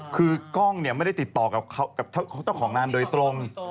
คือก้องเนี่ยไม่ได้ติดต่อกับของงานโดยตรง